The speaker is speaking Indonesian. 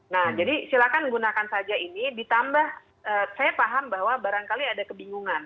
nah jadi silakan gunakan saja ini ditambah saya paham bahwa barangkali ada kebingungan